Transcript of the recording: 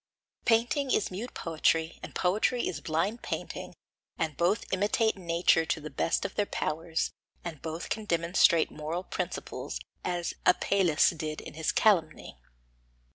Painting is mute poetry, and poetry is blind painting, and both imitate nature to the best of their powers, and both can demonstrate moral principles, as Apelles did in his Calumny.